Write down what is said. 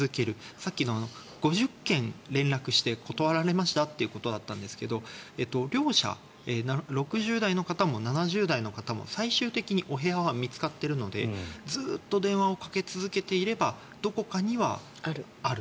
さっきの５０件連絡して断られましたということですが両者６０代の方も７０代の方も最終的にお部屋は見つかっているのでずっと電話をかけ続けていればどこかにはある。